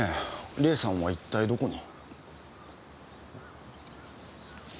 梨絵さんは一体どこに？